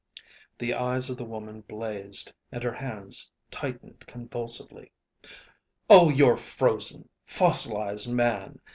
The eyes of the woman blazed and her hands tightened convulsively. "Oh, you're frozen fossilized, man!